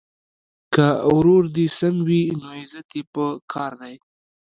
که ورور دي سم وي نو عزت یې په کار دی.